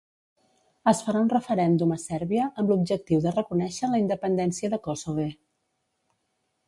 Es farà un referèndum a Sèrbia amb l'objectiu de reconèixer la independència de Kossove.